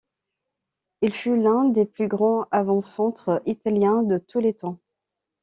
Il fut l'un des plus grands avant-centre italiens de tous les temps.